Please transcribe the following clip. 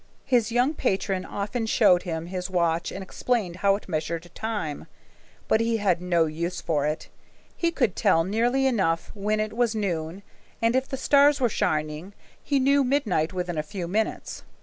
His young patron often showed him his watch and explained how it measured time, but he had no use for it. He could tell nearly enough when it was noon, and if the stars were shining he knew midnight within a few minutes.